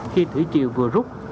khi thủy triều vừa rút